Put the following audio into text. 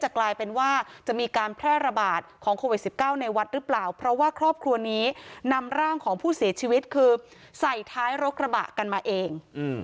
เขามีทายรกกระบะกันมาเอง